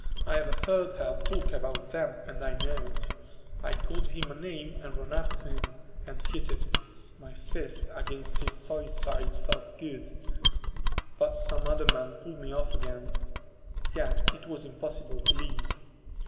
I have heard her talk about them and I know. I called him a name and ran up to him and hit him; my fist against his solid side felt good, but some other men pulled me off again. Yet it was impossible to leave.